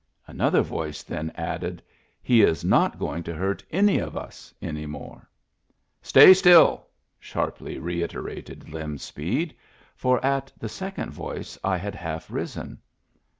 Another voice then added :" He is not going to hurt any of us any more." "Stay still!" sharply reiterated Lem Speed, for at the second voice I had half risen.